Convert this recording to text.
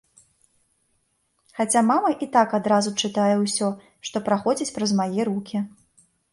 Хаця мама і так адразу чытае ўсё, што праходзіць праз мае рукі.